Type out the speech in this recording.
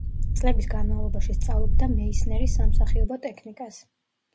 წლების განმავლობაში სწავლობდა მეისნერის სამსახიობო ტექნიკას.